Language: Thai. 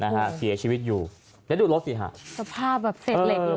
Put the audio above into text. นะฮะเสียชีวิตอยู่แล้วดูรถสิฮะสภาพแบบเศษเหล็ก